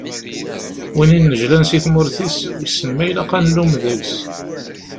Win inejlan si tmurt-is, wissen ma ilaq ad nlum deg-s?